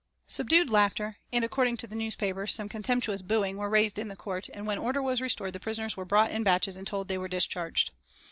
Subdued laughter and, according to the newspapers, some contemptuous booing were raised in the court, and when order was restored the prisoners were brought in in batches and told that they were discharged.